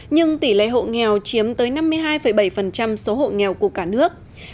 nhưng tỷ lệ hộ nghèo chiếm tới năm mươi hai bảy số hộ nghèo của cả nước